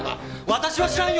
私は知らんよ！！